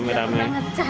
nggak pernah ngecek